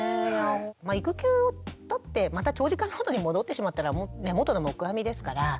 育休を取ってまた長時間労働に戻ってしまったら元の木阿弥ですからね。